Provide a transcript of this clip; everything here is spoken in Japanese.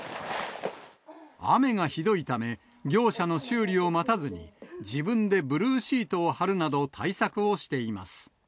雨がひどいため、業者の修理を待たずに、自分でブルーシートを張るなど対策をしています。